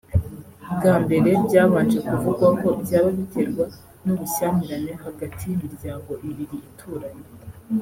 Bwa mbere byabanje kuvugwa ko byaba biterwa n’ubushyamirane hagati y’imiryango ibiri ituranye